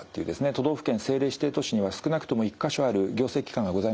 都道府県政令指定都市には少なくとも１か所ある行政機関がございます。